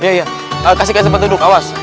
iya iya kasihkan sepetunjuk awas